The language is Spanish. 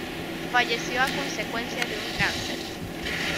Falleció a consecuencia de un cáncer.